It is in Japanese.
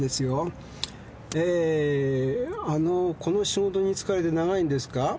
えーあのこの仕事に就かれて長いんですか？